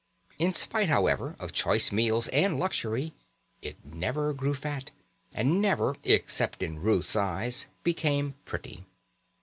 In spite, however, of choice meals and luxury it never grew fat, and never, except in Ruth's eyes, became pretty.